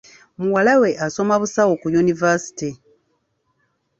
Muwala we asoma busawo ku univaasite.